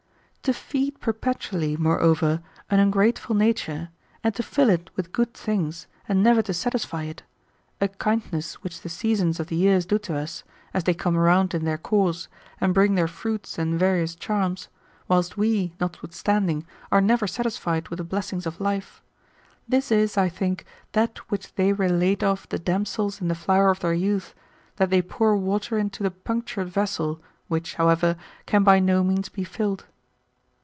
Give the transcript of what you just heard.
• To feed perpetually, moreover, an ungrateful nature, and to fill it with good things, and never to satisfy it; a kindness which the seasons of the year do to us, as they come round in their course, and bring their fruits and various charms ; whilst we, notwithstanding, are never satisfied with the bless ings of life ; this is, I think, that which they relate of the damsels in the flower of their youth, that they pour water into a punctured vessel, which, however, can by no means be filled.